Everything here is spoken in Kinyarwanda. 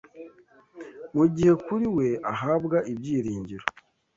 mugihe kuri we ahabwa Ibyiringiro,